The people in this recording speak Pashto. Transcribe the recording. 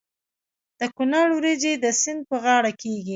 د کونړ وریجې د سیند په غاړه کیږي.